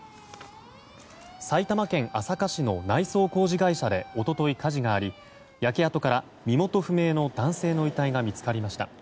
埼玉県朝霞市の内装工事会社で一昨日、火事があり焼け跡から身元不明の男性の遺体が見つかりました。